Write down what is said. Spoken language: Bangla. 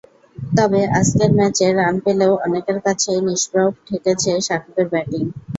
তবে আজকের ম্যাচে রান পেলেও অনেকের কাছেই নিষ্প্রভ ঠেকেছে সাকিবের ব্যাটিং।